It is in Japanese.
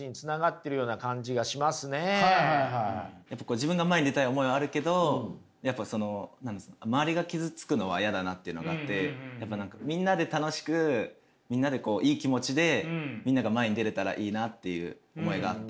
自分が前に出たい思いはあるけど周りが傷つくのは嫌だなっていうのがあってみんなで楽しくみんなでいい気持ちでみんなが前に出れたらいいなっていう思いがあって。